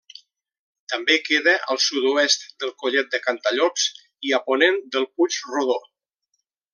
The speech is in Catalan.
També queda al sud-oest del Collet de Cantallops i a ponent del Puig Rodó.